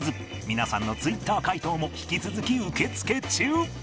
皆さんの Ｔｗｉｔｔｅｒ 解答も引き続き受け付け中